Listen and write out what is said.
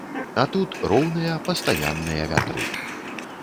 А тут роўныя, пастаянныя вятры.